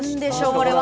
これは。